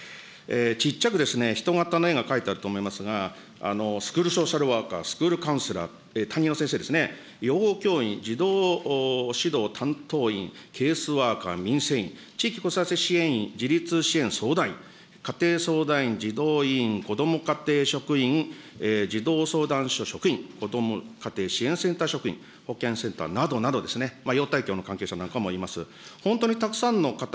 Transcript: ちっちゃく人型の絵が描いてあると思いますが、スクールソーシャルワーカー、スクールカウンセラー、担任の先生ですね、養護教員、児童指導担当員、ケースワーカー、民生委員、地域自立相談員、自立支援相談員、家庭相談員、児童委員、こども家庭職員、児童相談所職員、こども家庭支援センター職員、保健センターなどなどですね、医療関係のもいます。